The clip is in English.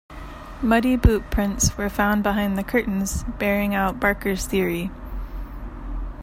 Muddy boot-prints were found behind the curtains, bearing out Barker's theory.